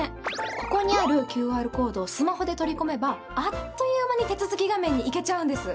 ここにあるＱＲコードをスマホで取り込めばあっという間に手続き画面に行けちゃうんです。